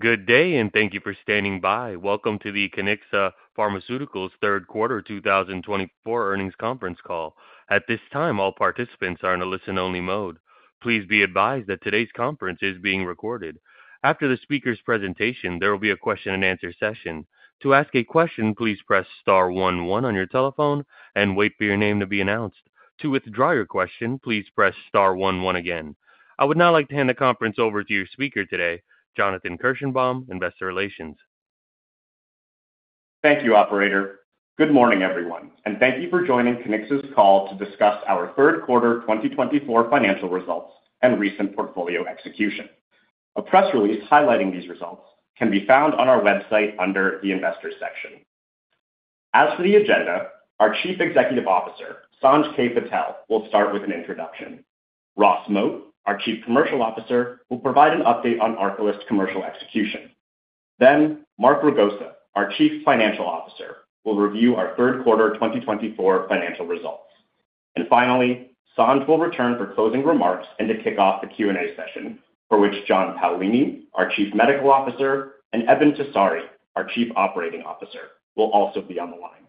Good day, and thank you for standing by. Welcome to the Kiniksa Pharmaceuticals third quarter 2024 earnings conference call. At this time, all participants are in a listen-only mode. Please be advised that today's conference is being recorded. After the speaker's presentation, there will be a question-and-answer session. To ask a question, please press star one-one on your telephone and wait for your name to be announced. To withdraw your question, please press star one-one again. I would now like to hand the conference over to your speaker today, Jonathan Kirschenbaum, Investor Relations. Thank you, Operator. Good morning, everyone, and thank you for joining Kiniksa's call to discuss our third quarter 2024 financial results and recent portfolio execution. A press release highlighting these results can be found on our website under the Investor section. As for the agenda, our Chief Executive Officer, Sanj K. Patel, will start with an introduction. Ross Moat, our Chief Commercial Officer, will provide an update on our ARCALYST commercial execution. Then, Mark Ragosa, our Chief Financial Officer, will review our third quarter 2024 financial results. Finally, Sanj will return for closing remarks and to kick off the Q&A session, for which John Paolini, our Chief Medical Officer, and Eben Tessari, our Chief Operating Officer, will also be on the line.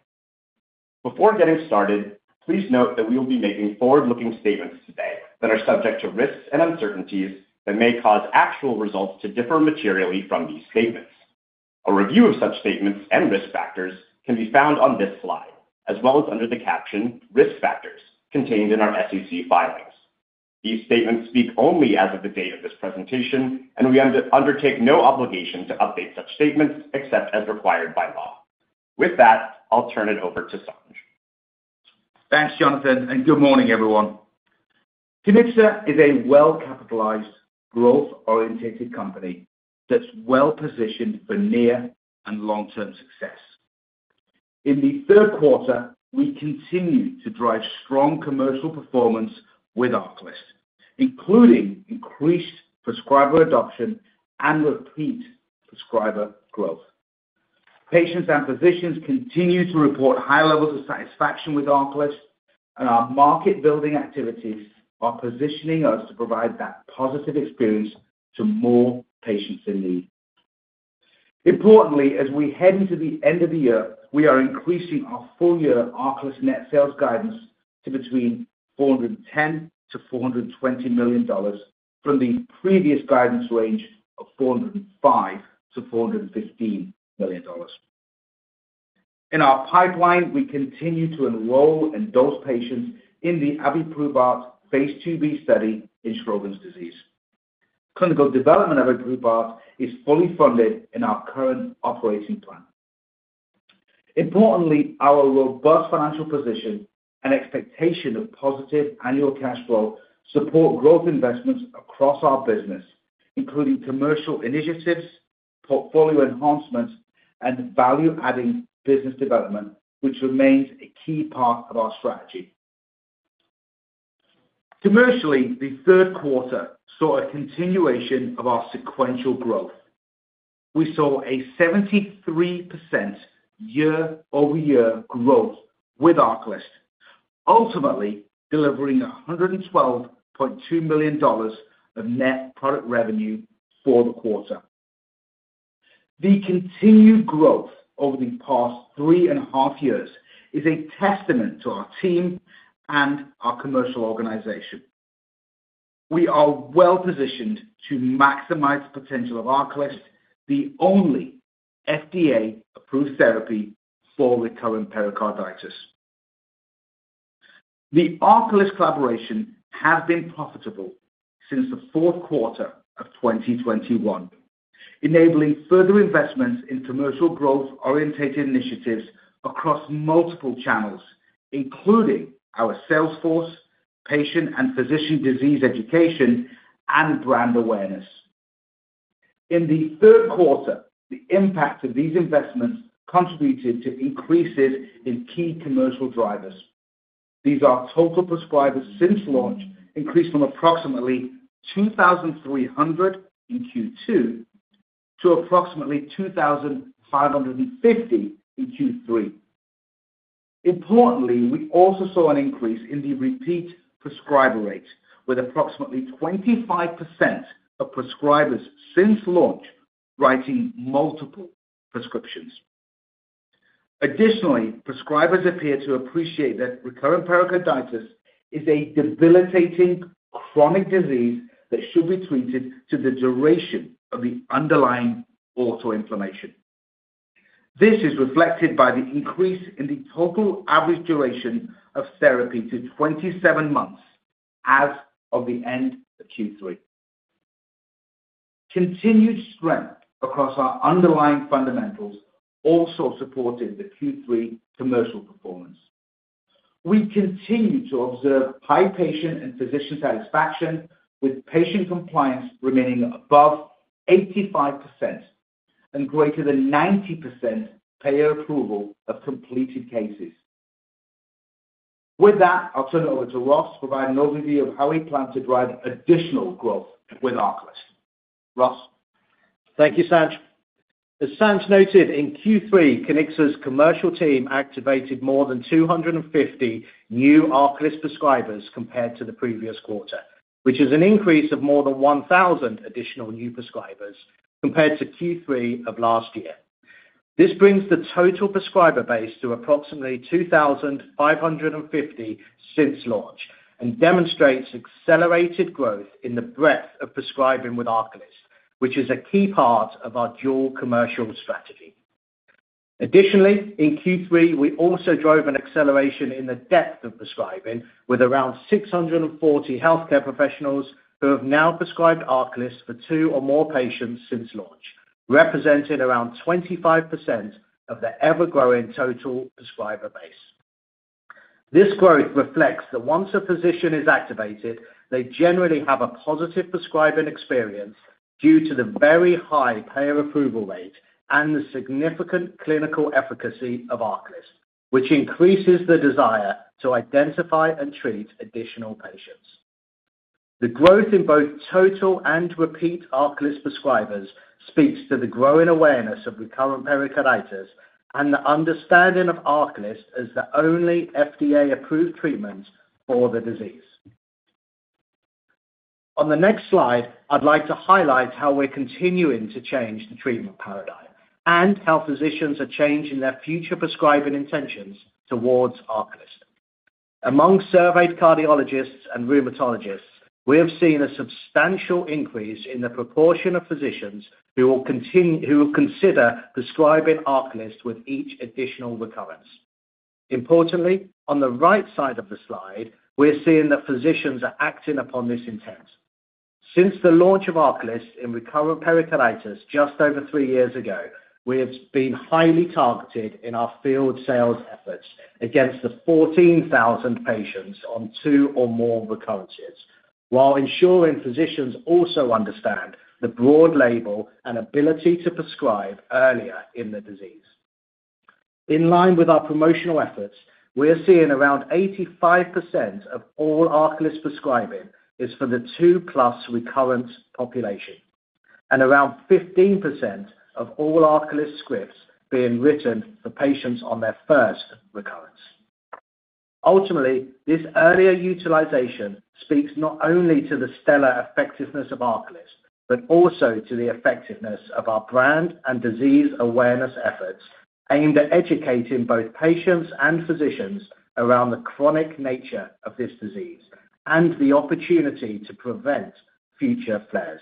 Before getting started, please note that we will be making forward-looking statements today that are subject to risks and uncertainties that may cause actual results to differ materially from these statements. A review of such statements and risk factors can be found on this slide, as well as under the caption "Risk Factors" contained in our SEC filings. These statements speak only as of the date of this presentation, and we undertake no obligation to update such statements except as required by law. With that, I'll turn it over to Sanj. Thanks, Jonathan, and good morning, everyone. Kiniksa is a well-capitalized, growth-oriented company that's well-positioned for near and long-term success. In the third quarter, we continue to drive strong commercial performance with ARCALYST, including increased prescriber adoption and repeat prescriber growth. Patients and physicians continue to report high levels of satisfaction with ARCALYST, and our market-building activities are positioning us to provide that positive experience to more patients in need. Importantly, as we head into the end of the year, we are increasing our full-year ARCALYST net sales guidance to between $410-$420 million from the previous guidance range of $405-$415 million. In our pipeline, we continue to enroll and dose patients in the abiprubart Phase 2b study in Sjogren's disease. Clinical development of abiprubart is fully funded in our current operating plan. Importantly, our robust financial position and expectation of positive annual cash flow support growth investments across our business, including commercial initiatives, portfolio enhancements, and value-adding business development, which remains a key part of our strategy. Commercially, the third quarter saw a continuation of our sequential growth. We saw a 73% year-over-year growth with ARCALYST, ultimately delivering $112.2 million of net product revenue for the quarter. The continued growth over the past three and a half years is a testament to our team and our commercial organization. We are well-positioned to maximize the potential of ARCALYST, the only FDA-approved therapy for recurrent pericarditis. The ARCALYST collaboration has been profitable since the fourth quarter of 2021, enabling further investments in commercial growth-oriented initiatives across multiple channels, including our salesforce, patient and physician disease education, and brand awareness. In the third quarter, the impact of these investments contributed to increases in key commercial drivers. These are total prescribers since launch, increased from approximately 2,300 in Q2 to approximately 2,550 in Q3. Importantly, we also saw an increase in the repeat prescriber rate, with approximately 25% of prescribers since launch writing multiple prescriptions. Additionally, prescribers appear to appreciate that recurrent pericarditis is a debilitating chronic disease that should be treated to the duration of the underlying autoinflammation. This is reflected by the increase in the total average duration of therapy to 27 months as of the end of Q3. Continued strength across our underlying fundamentals also supported the Q3 commercial performance. We continue to observe high patient and physician satisfaction, with patient compliance remaining above 85% and greater than 90% payer approval of completed cases. With that, I'll turn it over to Ross to provide an overview of how he planned to drive additional growth with ARCALYST. Ross? Thank you, Sanj. As Sanj noted, in Q3, Kiniksa's commercial team activated more than 250 new ARCALYST prescribers compared to the previous quarter, which is an increase of more than 1,000 additional new prescribers compared to Q3 of last year. This brings the total prescriber base to approximately 2,550 since launch and demonstrates accelerated growth in the breadth of prescribing with ARCALYST, which is a key part of our dual commercial strategy. Additionally, in Q3, we also drove an acceleration in the depth of prescribing, with around 640 healthcare professionals who have now prescribed ARCALYST for two or more patients since launch, representing around 25% of the ever-growing total prescriber base. This growth reflects that once a physician is activated, they generally have a positive prescribing experience due to the very high payer approval rate and the significant clinical efficacy of ARCALYST, which increases the desire to identify and treat additional patients. The growth in both total and repeat ARCALYST prescribers speaks to the growing awareness of recurrent pericarditis and the understanding of ARCALYST as the only FDA-approved treatment for the disease. On the next slide, I'd like to highlight how we're continuing to change the treatment paradigm and how physicians are changing their future prescribing intentions towards ARCALYST. Among surveyed cardiologists and rheumatologists, we have seen a substantial increase in the proportion of physicians who will consider prescribing ARCALYST with each additional recurrence. Importantly, on the right side of the slide, we're seeing that physicians are acting upon this intent. Since the launch of ARCALYST in recurrent pericarditis just over three years ago, we have been highly targeted in our field sales efforts against the 14,000 patients on two or more recurrences, while ensuring physicians also understand the broad label and ability to prescribe earlier in the disease. In line with our promotional efforts, we are seeing around 85% of all ARCALYST prescribing is for the two-plus recurrence population and around 15% of all ARCALYST scripts being written for patients on their first recurrence. Ultimately, this earlier utilization speaks not only to the stellar effectiveness of ARCALYST, but also to the effectiveness of our brand and disease awareness efforts aimed at educating both patients and physicians around the chronic nature of this disease and the opportunity to prevent future flares.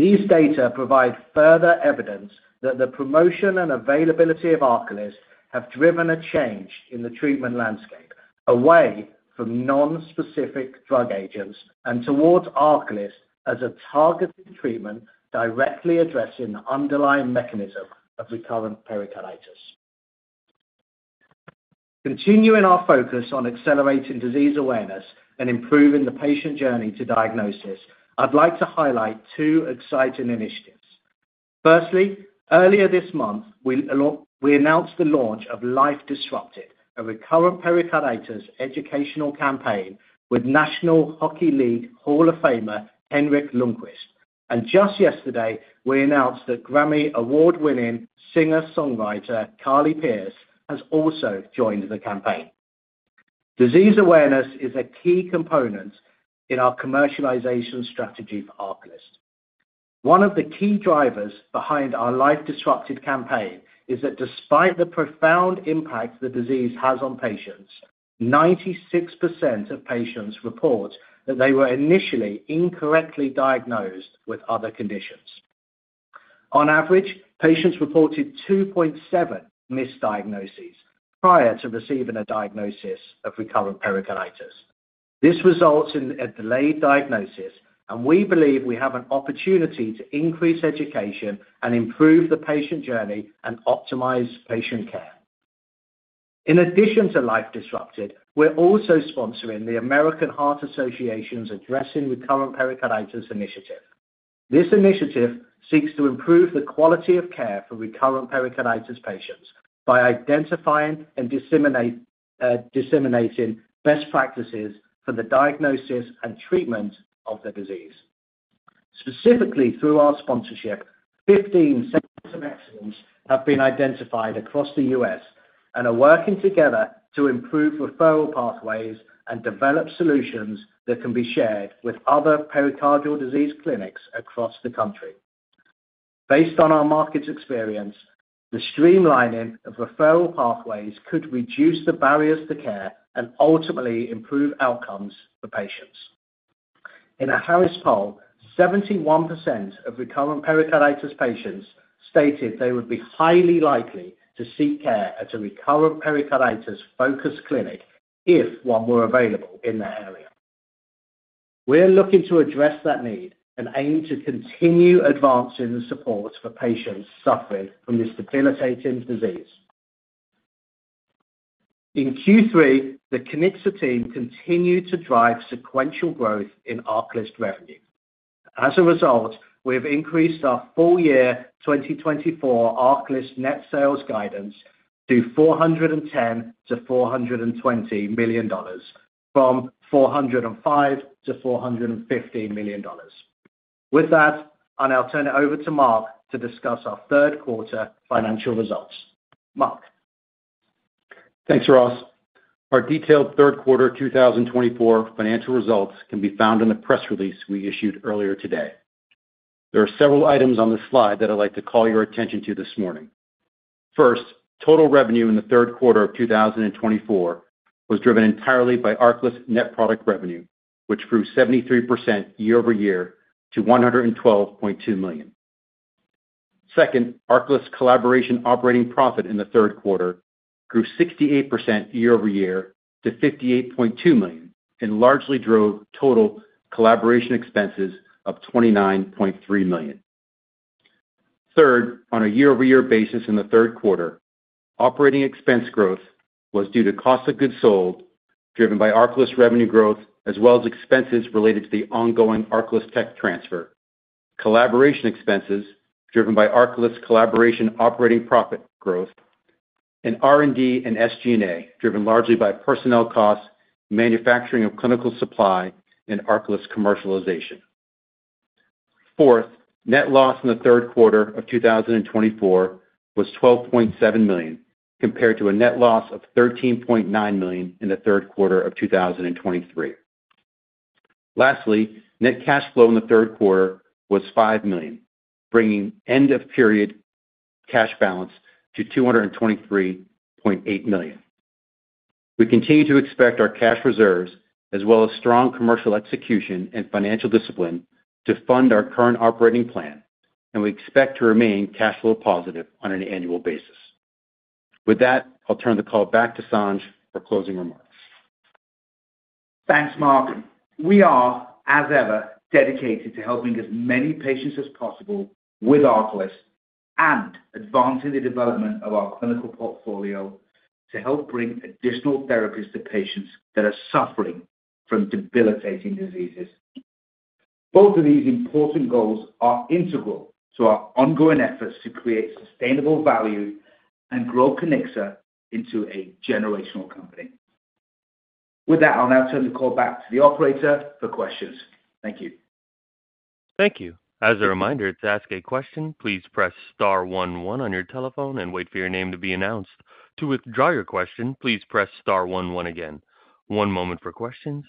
These data provide further evidence that the promotion and availability of ARCALYST have driven a change in the treatment landscape away from non-specific drug agents and towards ARCALYST as a targeted treatment directly addressing the underlying mechanism of recurrent pericarditis. Continuing our focus on accelerating disease awareness and improving the patient journey to diagnosis, I'd like to highlight two exciting initiatives. Firstly, earlier this month, we announced the launch of Life Disrupted, a recurrent pericarditis educational campaign with National Hockey League Hall of Famer Henrik Lundqvist. And just yesterday, we announced that Grammy Award-winning singer-songwriter Carly Pearce has also joined the campaign. Disease awareness is a key component in our commercialization strategy for ARCALYST. One of the key drivers behind our Life Disrupted campaign is that despite the profound impact the disease has on patients, 96% of patients report that they were initially incorrectly diagnosed with other conditions. On average, patients reported 2.7 misdiagnoses prior to receiving a diagnosis of recurrent pericarditis. This results in a delayed diagnosis, and we believe we have an opportunity to increase education and improve the patient journey and optimize patient care. In addition to Life Disrupted, we're also sponsoring the American Heart Association's Addressing Recurrent Pericarditis Initiative. This initiative seeks to improve the quality of care for recurrent pericarditis patients by identifying and disseminating best practices for the diagnosis and treatment of the disease. Specifically, through our sponsorship, 15 Centers of Excellence have been identified across the U.S. and are working together to improve referral pathways and develop solutions that can be shared with other pericardial disease clinics across the country. Based on our market experience, the streamlining of referral pathways could reduce the barriers to care and ultimately improve outcomes for patients. In a Harris Poll, 71% of recurrent pericarditis patients stated they would be highly likely to seek care at a recurrent pericarditis focus clinic if one were available in the area. We're looking to address that need and aim to continue advancing the support for patients suffering from this debilitating disease. In Q3, the Kiniksa team continued to drive sequential growth in ARCALYST revenue. As a result, we have increased our full-year 2024 ARCALYST net sales guidance to $410-$420 million, from $405-$415 million. With that, I'll now turn it over to Mark to discuss our third quarter financial results. Mark. Thanks, Ross. Our detailed third quarter 2024 financial results can be found in the press release we issued earlier today. There are several items on this slide that I'd like to call your attention to this morning. First, total revenue in the third quarter of 2024 was driven entirely by ARCALYST net product revenue, which grew 73% year-over-year to $112.2 million. Second, ARCALYST collaboration operating profit in the third quarter grew 68% year-over-year to $58.2 million and largely drove total collaboration expenses of $29.3 million. Third, on a year-over-year basis in the third quarter, operating expense growth was due to cost of goods sold driven by ARCALYST revenue growth, as well as expenses related to the ongoing ARCALYST tech transfer, collaboration expenses driven by ARCALYST collaboration operating profit growth, and R&D and SG&A driven largely by personnel costs, manufacturing of clinical supply, and ARCALYST commercialization. Fourth, net loss in the third quarter of 2024 was $12.7 million compared to a net loss of $13.9 million in the third quarter of 2023. Lastly, net cash flow in the third quarter was $5 million, bringing end-of-period cash balance to $223.8 million. We continue to expect our cash reserves, as well as strong commercial execution and financial discipline, to fund our current operating plan, and we expect to remain cash flow positive on an annual basis. With that, I'll turn the call back to Sanj for closing remarks. Thanks, Mark. We are, as ever, dedicated to helping as many patients as possible with ARCALYST and advancing the development of our clinical portfolio to help bring additional therapies to patients that are suffering from debilitating diseases. Both of these important goals are integral to our ongoing efforts to create sustainable value and grow Kiniksa into a generational company. With that, I'll now turn the call back to the operator for questions. Thank you. Thank you. As a reminder, to ask a question, please press star 11 on your telephone and wait for your name to be announced. To withdraw your question, please press star 11 again. One moment for questions.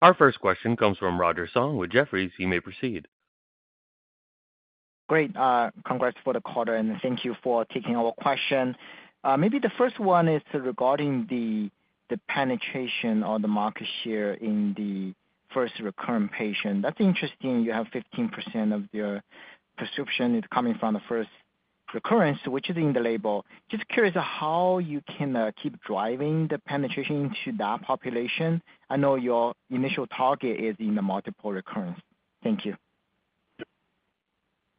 Our first question comes from Roger Song with Jefferies. He may proceed. Great. Congrats for the quarter, and thank you for taking our question. Maybe the first one is regarding the penetration or the market share in the first recurrent patient. That's interesting. You have 15% of their prescription coming from the first recurrence, which is in the label. Just curious how you can keep driving the penetration into that population. I know your initial target is in the multiple recurrence. Thank you.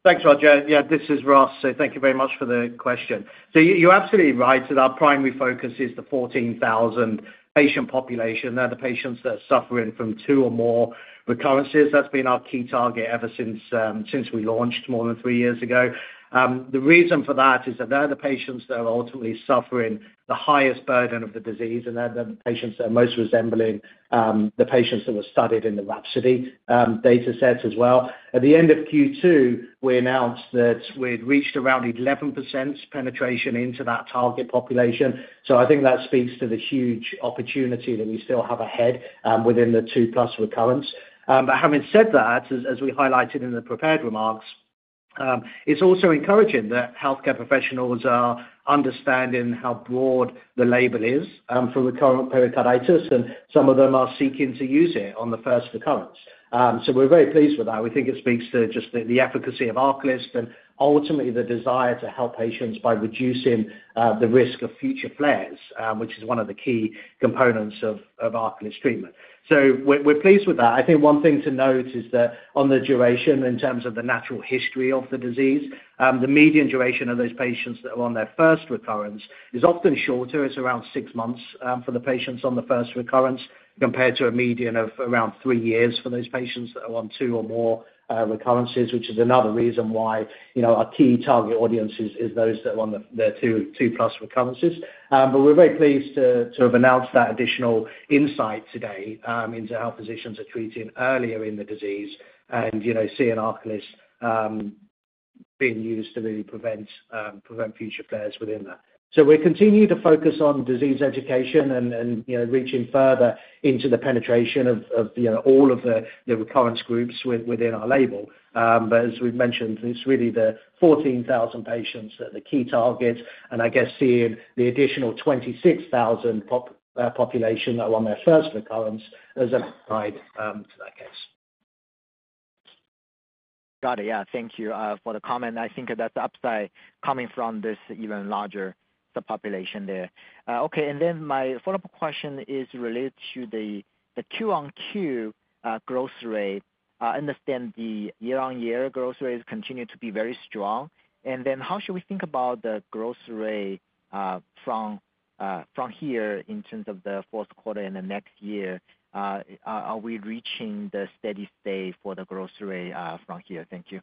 Thanks, Roger. Yeah, this is Ross. So thank you very much for the question. So you're absolutely right that our primary focus is the 14,000 patient population. They're the patients that are suffering from two or more recurrences. That's been our key target ever since we launched more than three years ago. The reason for that is that they're the patients that are ultimately suffering the highest burden of the disease, and they're the patients that are most resembling the patients that were studied in the RHAPSODY data set as well. At the end of Q2, we announced that we'd reached around 11% penetration into that target population. So I think that speaks to the huge opportunity that we still have ahead within the two-plus recurrence. But having said that, as we highlighted in the prepared remarks, it's also encouraging that healthcare professionals are understanding how broad the label is for recurrent pericarditis, and some of them are seeking to use it on the first recurrence. So we're very pleased with that. We think it speaks to just the efficacy of ARCALYST and ultimately the desire to help patients by reducing the risk of future flares, which is one of the key components of our ARCALYST treatment. So we're pleased with that. I think one thing to note is that on the duration, in terms of the natural history of the disease, the median duration of those patients that are on their first recurrence is often shorter. It's around six months for the patients on the first recurrence compared to a median of around three years for those patients that are on two or more recurrences, which is another reason why our key target audience is those that are on the two-plus recurrences. But we're very pleased to have announced that additional insight today into how physicians are treating earlier in the disease and seeing ARCALYST being used to really prevent future flares within that. So we continue to focus on disease education and reaching further into the penetration of all of the recurrence groups within our label. But as we've mentioned, it's really the 14,000 patients that are the key targets, and I guess seeing the additional 26,000 population that are on their first recurrence as applicable to that case. Got it. Yeah. Thank you for the comment. I think that's upside coming from this even larger subpopulation there. Okay. And then my follow-up question is related to the Q on Q growth rate. I understand the year-on-year growth rate continues to be very strong. And then how should we think about the growth rate from here in terms of the fourth quarter and the next year? Are we reaching the steady state for the growth rate from here? Thank you.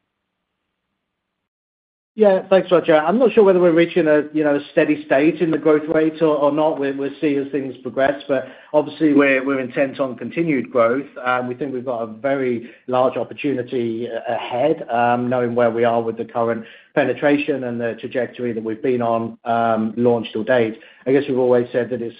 Yeah. Thanks, Roger. I'm not sure whether we're reaching a steady state in the growth rate or not. We'll see as things progress. But obviously, we're intent on continued growth. We think we've got a very large opportunity ahead, knowing where we are with the current penetration and the trajectory that we've been on launched to date. I guess we've always said that this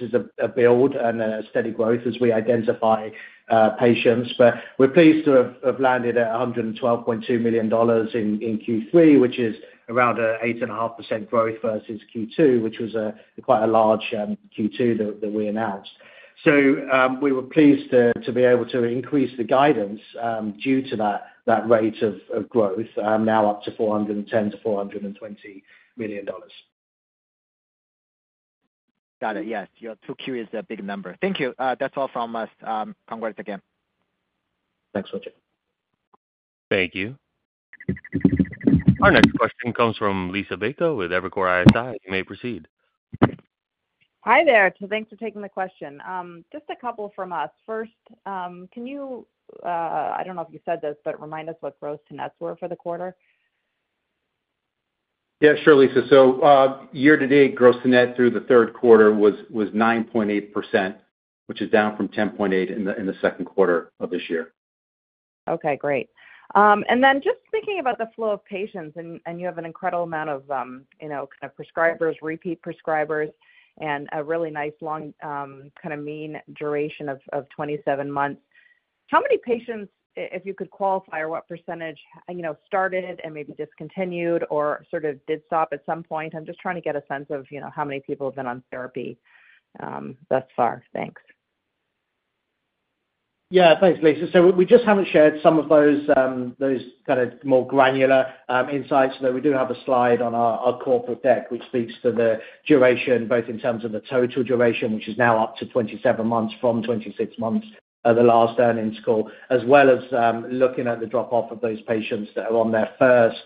is a build and a steady growth as we identify patients. But we're pleased to have landed at $112.2 million in Q3, which is around an 8.5% growth versus Q2, which was quite a large Q2 that we announced. So we were pleased to be able to increase the guidance due to that rate of growth, now up to $410-$420 million. Got it. Yes. You're too curious. That big number. Thank you. That's all from us. Congrats again. Thanks, Roger. Thank you. Our next question comes from Liisa Bayko with Evercore ISI. You may proceed. Hi there. Thanks for taking the question. Just a couple from us. First, can you, I don't know if you said this, but remind us what gross-to-net were for the quarter? Yeah, sure, Lisa. So year-to-date gross-to-net through the third quarter was 9.8%, which is down from 10.8% in the second quarter of this year. Okay. Great. And then just thinking about the flow of patients, and you have an incredible amount of kind of prescribers, repeat prescribers, and a really nice long kind of mean duration of 27 months. How many patients, if you could qualify, or what percentage started and maybe discontinued or sort of did stop at some point? I'm just trying to get a sense of how many people have been on therapy thus far. Thanks. Yeah. Thanks, Liisa. So we just haven't shared some of those kind of more granular insights. So we do have a slide on our corporate deck, which speaks to the duration, both in terms of the total duration, which is now up to 27 months from 26 months at the last earnings call, as well as looking at the drop-off of those patients that are on their first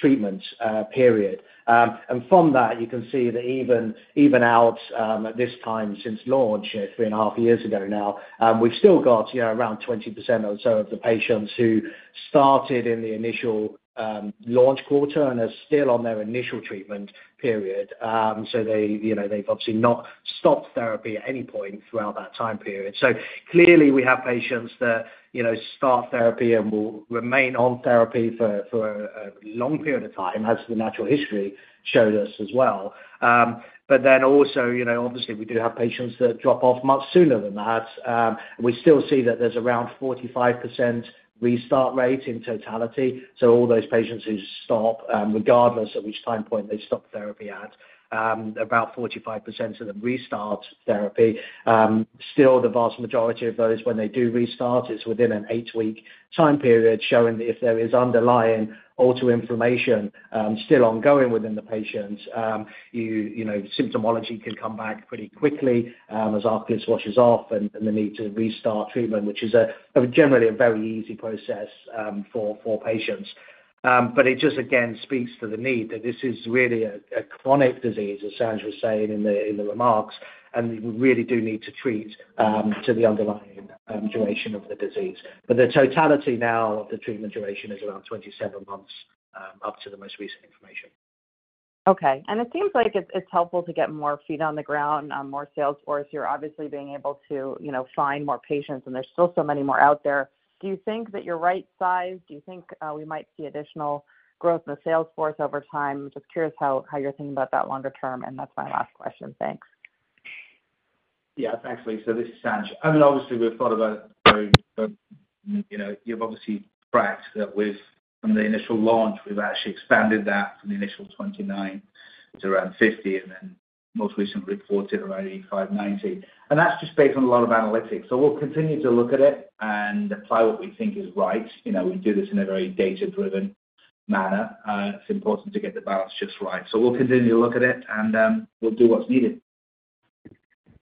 treatment period. And from that, you can see that even out at this time since launch three and a half years ago now, we've still got around 20% or so of the patients who started in the initial launch quarter and are still on their initial treatment period. So they've obviously not stopped therapy at any point throughout that time period. So clearly, we have patients that start therapy and will remain on therapy for a long period of time, as the natural history showed us as well. But then also, obviously, we do have patients that drop off much sooner than that. We still see that there's around 45% restart rate in totality. So all those patients who stop, regardless of which time point they stop therapy at, about 45% of them restart therapy. Still, the vast majority of those, when they do restart, it's within an eight-week time period, showing that if there is underlying autoinflammation still ongoing within the patients, symptomology can come back pretty quickly as ARCALYST washes off and the need to restart treatment, which is generally a very easy process for patients. But it just, again, speaks to the need that this is really a chronic disease, as Sanj was saying in the remarks, and we really do need to treat to the underlying duration of the disease, but the totality now of the treatment duration is around 27 months, up to the most recent information. Okay. And it seems like it's helpful to get more feet on the ground, more salesforce. You're obviously being able to find more patients, and there's still so many more out there. Do you think that you're right-sized? Do you think we might see additional growth in the salesforce over time? Just curious how you're thinking about that longer term. And that's my last question. Thanks. Yeah. Thanks, Lisa. This is Sanj. I mean, obviously, we've thought about. So you've obviously tracked that with the initial launch, we've actually expanded that from the initial 29 to around 50, and then most recently reported around 85, 90. And that's just based on a lot of analytics. So we'll continue to look at it and apply what we think is right. We do this in a very data-driven manner. It's important to get the balance just right. So we'll continue to look at it, and we'll do what's needed.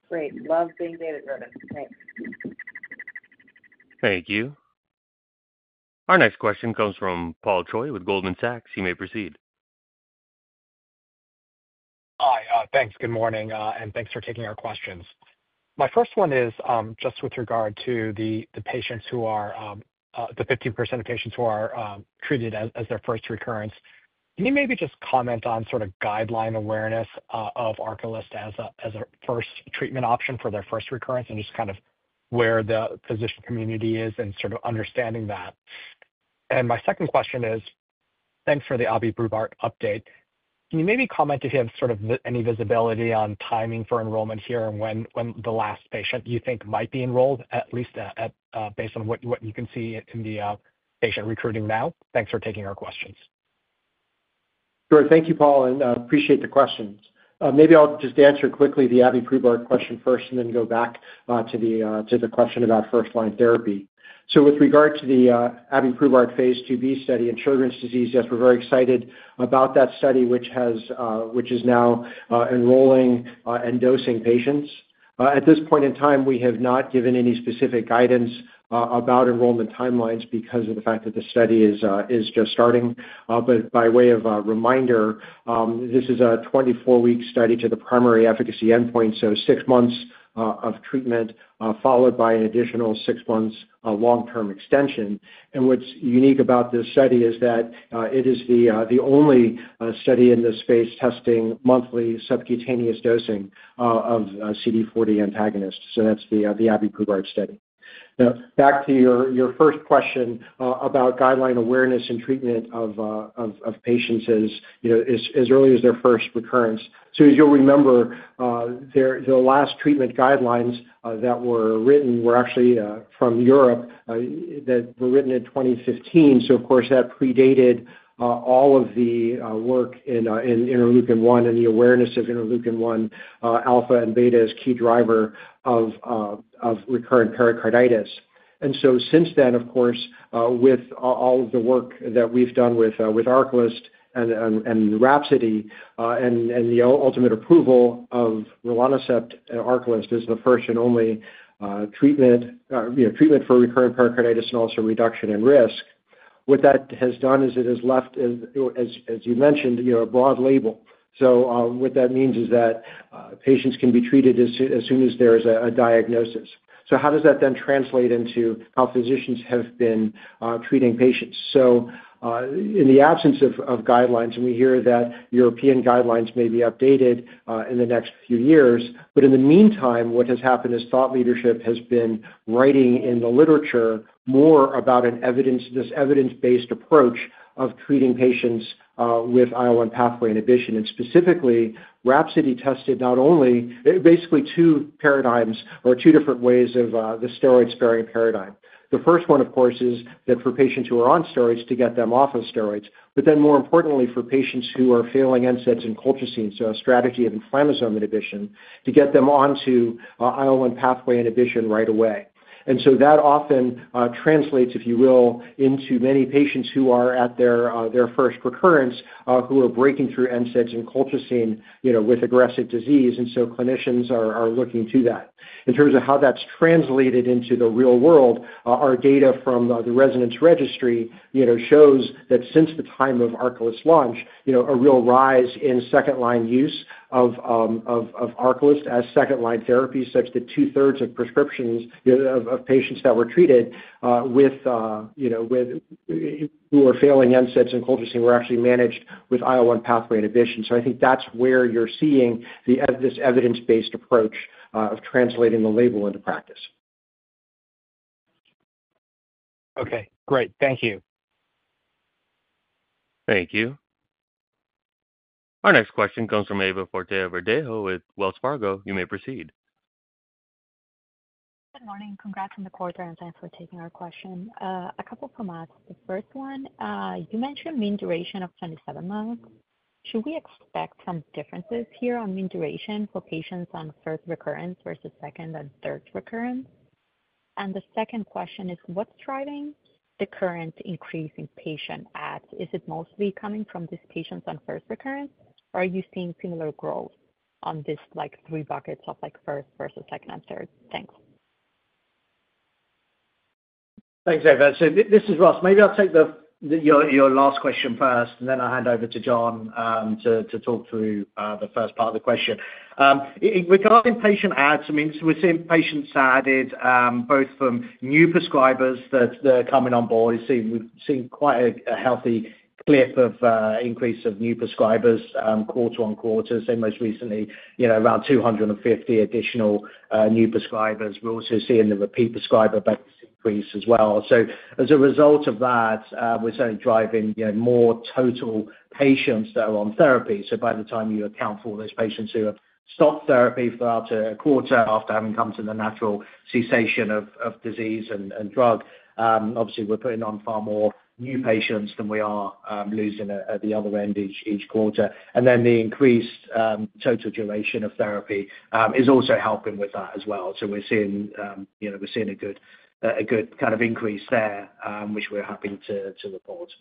Great. Love being data-driven. Thanks. Thank you. Our next question comes from Paul Choi with Goldman Sachs. You may proceed. Hi. Thanks. Good morning, and thanks for taking our questions. My first one is just with regard to the patients who are the 50% of patients who are treated as their first recurrence. Can you maybe just comment on sort of guideline awareness of ARCALYST as a first treatment option for their first recurrence and just kind of where the physician community is in sort of understanding that? And my second question is, thanks for the abiprubart update. Can you maybe comment if you have sort of any visibility on timing for enrollment here and when the last patient you think might be enrolled, at least based on what you can see in the patient recruiting now? Thanks for taking our questions. Sure. Thank you, Paul, and appreciate the questions. Maybe I'll just answer quickly the abiprubart question first and then go back to the question about first-line therapy. So with regard to the abiprubart phase 2b study in Sjogren's disease, yes, we're very excited about that study, which is now enrolling and dosing patients. At this point in time, we have not given any specific guidance about enrollment timelines because of the fact that the study is just starting. But by way of reminder, this is a 24-week study to the primary efficacy endpoint, so six months of treatment followed by an additional six months of long-term extension. And what's unique about this study is that it is the only study in this space testing monthly subcutaneous dosing of CD40 antagonists. So that's the abiprubart study. Now, back to your first question about guideline awareness and treatment of patients as early as their first recurrence. So as you'll remember, the last treatment guidelines that were written were actually from Europe that were written in 2015. So, of course, that predated all of the work in interleukin-1 and the awareness of interleukin-1 alpha and beta as key driver of recurrent pericarditis. And so since then, of course, with all of the work that we've done with ARCALYST and RHAPSODY and the ultimate approval of rilonacept and ARCALYST as the first and only treatment for recurrent pericarditis and also reduction in risk, what that has done is it has left, as you mentioned, a broad label. So what that means is that patients can be treated as soon as there is a diagnosis. So how does that then translate into how physicians have been treating patients? In the absence of guidelines, and we hear that European guidelines may be updated in the next few years, but in the meantime, what has happened is thought leadership has been writing in the literature more about this evidence-based approach of treating patients with IL-1 pathway inhibition. Specifically, RHAPSODY tested not only basically two paradigms or two different ways of the steroid-sparing paradigm. The first one, of course, is that for patients who are on steroids, to get them off of steroids, but then more importantly, for patients who are failing NSAIDs and colchicine, so a strategy of inflammasome inhibition, to get them onto IL-1 pathway inhibition right away. That often translates, if you will, into many patients who are at their first recurrence who are breaking through NSAIDs and colchicine with aggressive disease. Clinicians are looking to that. In terms of how that's translated into the real world, our data from the rheumatologists' registry shows that since the time of ARCALYST's launch, a real rise in second-line use of ARCALYST as second-line therapy, such that two-thirds of prescriptions of patients that were treated with who were failing NSAIDs and colchicine were actually managed with IL-1 pathway inhibition. So I think that's where you're seeing this evidence-based approach of translating the label into practice. Okay. Great. Thank you. Thank you. Our next question comes from Yanan Zhu with Wells Fargo. You may proceed. Good morning. Congrats on the quarter and thanks for taking our question. A couple from us. The first one, you mentioned mean duration of 27 months. Should we expect some differences here on mean duration for patients on first recurrence versus second and third recurrence? And the second question is, what's driving the current increase in patient adds? Is it mostly coming from these patients on first recurrence, or are you seeing similar growth on these three buckets of first versus second and third? Thanks. Thanks, Yanan. So this is Ross. Maybe I'll take your last question first, and then I'll hand over to John to talk through the first part of the question. Regarding patient adds, I mean, we're seeing patients added both from new prescribers that are coming on board. We've seen quite a healthy clip of increase of new prescribers quarter on quarter. I'd say most recently, around 250 additional new prescribers. We're also seeing the repeat prescriber base increase as well. So as a result of that, we're certainly driving more total patients that are on therapy. So by the time you account for those patients who have stopped therapy for up to a quarter after having come to the natural cessation of disease and drug, obviously, we're putting on far more new patients than we are losing at the other end each quarter. And then the increased total duration of therapy is also helping with that as well. So we're seeing a good kind of increase there, which we're happy to report.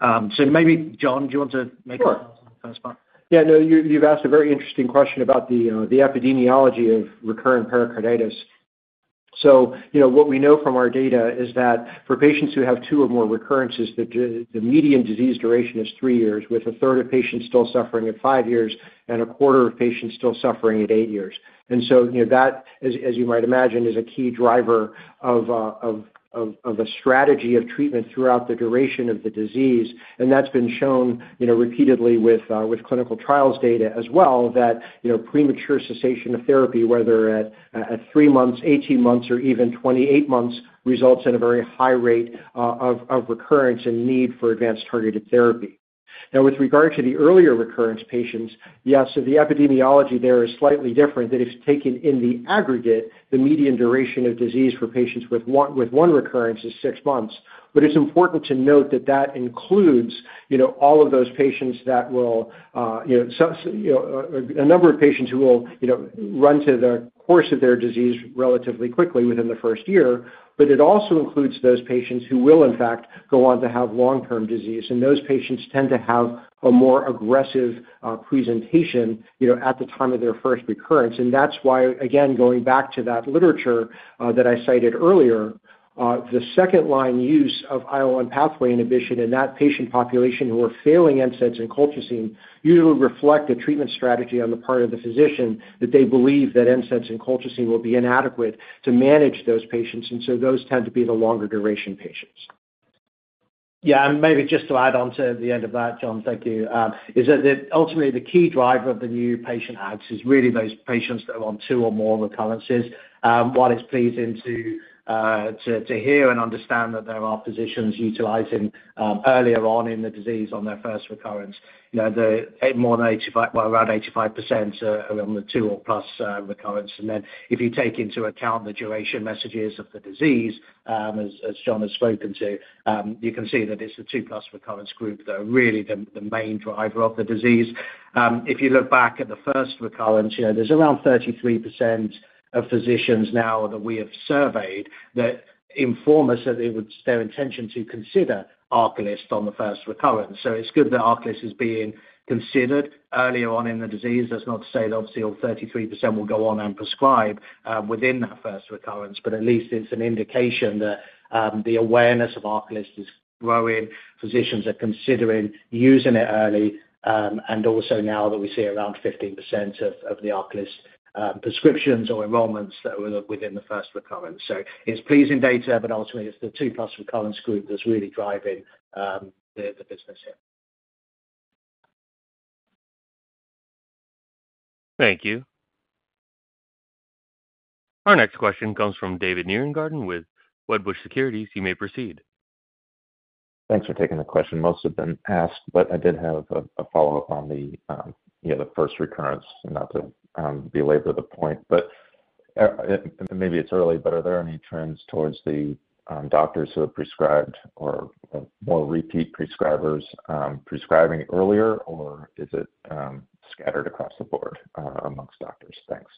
So maybe, John, do you want to make a comment on the first part? Sure. Yeah. No, you've asked a very interesting question about the epidemiology of recurrent pericarditis. So what we know from our data is that for patients who have two or more recurrences, the median disease duration is three years, with a third of patients still suffering at five years and a quarter of patients still suffering at eight years. And so that, as you might imagine, is a key driver of a strategy of treatment throughout the duration of the disease. That's been shown repeatedly with clinical trials data as well, that premature cessation of therapy, whether at three months, 18 months, or even 28 months, results in a very high rate of recurrence and need for advanced targeted therapy. Now, with regard to the earlier recurrence patients, yes, so the epidemiology there is slightly different. That if taken in the aggregate, the median duration of disease for patients with one recurrence is six months. But it's important to note that that includes all of those patients that will, a number of patients who will run the course of their disease relatively quickly within the first year, but it also includes those patients who will, in fact, go on to have long-term disease. Those patients tend to have a more aggressive presentation at the time of their first recurrence. And that's why, again, going back to that literature that I cited earlier, the second-line use of IL-1 pathway inhibition in that patient population who are failing NSAIDs and colchicine usually reflect a treatment strategy on the part of the physician that they believe that NSAIDs and colchicine will be inadequate to manage those patients. And so those tend to be the longer duration patients. Yeah. And maybe just to add on to the end of that, John, thank you, is that ultimately the key driver of the new patient adds is really those patients that are on two or more recurrences. What is pleasing to hear and understand that there are physicians utilizing earlier on in the disease on their first recurrence. More than 85, well, around 85% are on the two or plus recurrence. And then if you take into account the duration messages of the disease, as John has spoken to, you can see that it's the two-plus recurrence group that are really the main driver of the disease. If you look back at the first recurrence, there's around 33% of physicians now that we have surveyed that inform us that it was their intention to consider ARCALYST on the first recurrence. So it's good that ARCALYST is being considered earlier on in the disease. That's not to say that obviously all 33% will go on and prescribe within that first recurrence, but at least it's an indication that the awareness of ARCALYST is growing. Physicians are considering using it early. And also now that we see around 15% of the ARCALYST prescriptions or enrollments that were within the first recurrence. So it's pleasing data, but ultimately it's the two-plus recurrence group that's really driving the business here. Thank you. Our next question comes from David Nierengarten with Wedbush Securities. You may proceed. Thanks for taking the question. Most have been asked, but I did have a follow-up on the first recurrence and not to belabor the point, but maybe it's early, but are there any trends towards the doctors who have prescribed or more repeat prescribers prescribing earlier, or is it scattered across the board amongst doctors? Thanks.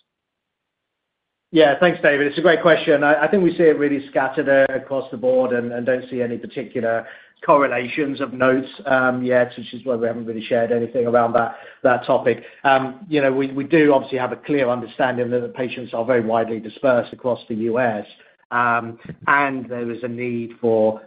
Yeah. Thanks, David. It's a great question. I think we see it really scattered across the board and don't see any particular correlations of notes yet, which is why we haven't really shared anything around that topic. We do obviously have a clear understanding that the patients are very widely dispersed across the U.S., and there is a need for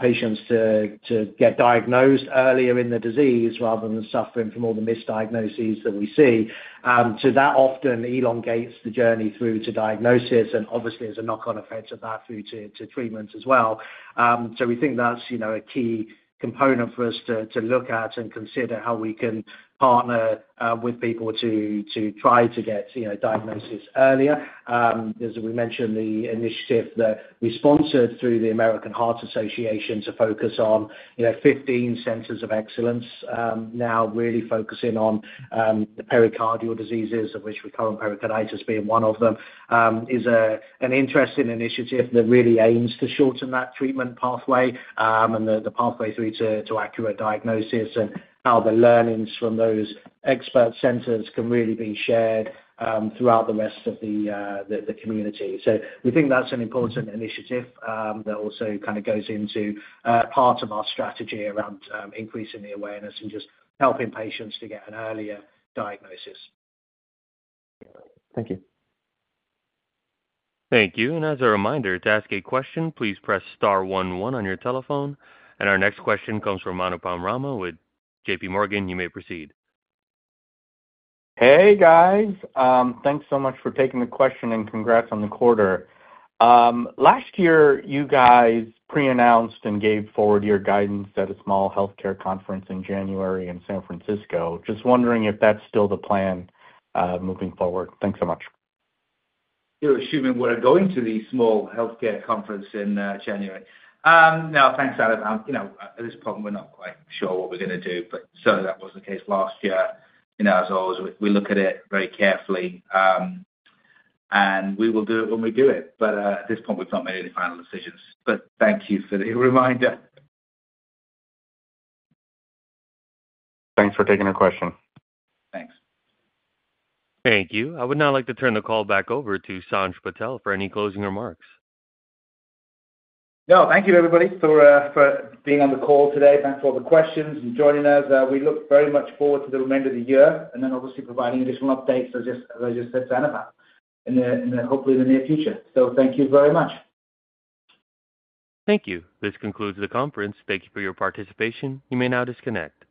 patients to get diagnosed earlier in the disease rather than suffering from all the misdiagnoses that we see. So that often elongates the journey through to diagnosis and obviously is a knock-on effect of that through to treatment as well. So we think that's a key component for us to look at and consider how we can partner with people to try to get diagnosis earlier. As we mentioned, the initiative that we sponsored through the American Heart Association to focus on 15 centers of excellence, now really focusing on the pericardial diseases, of which recurrent pericarditis being one of them, is an interesting initiative that really aims to shorten that treatment pathway and the pathway through to accurate diagnosis and how the learnings from those expert centers can really be shared throughout the rest of the community, so we think that's an important initiative that also kind of goes into part of our strategy around increasing the awareness and just helping patients to get an earlier diagnosis. Thank you. Thank you. And as a reminder, to ask a question, please press star 11 on your telephone. And our next question comes from Anupam Rama with J.P. Morgan. You may proceed. Hey, guys. Thanks so much for taking the question and congrats on the quarter. Last year, you guys pre-announced and gave forward your guidance at a small healthcare conference in January in San Francisco. Just wondering if that's still the plan moving forward. Thanks so much. Excuse me. We're going to the small healthcare conference in January. Now, thanks, Adam. At this point, we're not quite sure what we're going to do, but certainly that was the case last year. As always, we look at it very carefully, and we will do it when we do it. But at this point, we've not made any final decisions. But thank you for the reminder. Thanks for taking the question. Thanks. Thank you. I would now like to turn the call back over to Sanj Patel for any closing remarks. No. Thank you, everybody, for being on the call today. Thanks for all the questions and joining us. We look very much forward to the remainder of the year and then obviously providing additional updates, as I just said, to Anupam, and hopefully in the near future. So thank you very much. Thank you. This concludes the conference. Thank you for your participation. You may now disconnect.